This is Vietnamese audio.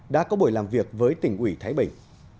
đã có buổi làm việc với tỉnh ủy thái bình